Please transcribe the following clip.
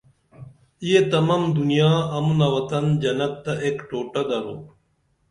یہ تمم دنیا امُنہ وطن جنت تہ ایک ٹوٹہ درو